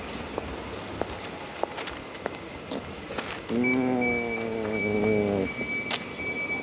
うん。